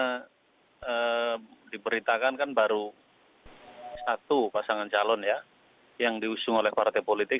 karena diberitakan kan baru satu pasangan calon ya yang diusung oleh partai politik